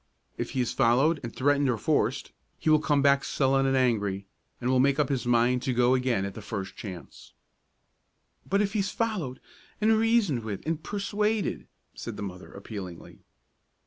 If he is followed and threatened and forced, he will come back sullen and angry, and will make up his mind to go again at the first chance." "But if he's followed and reasoned with and persuaded?" said the mother, appealingly.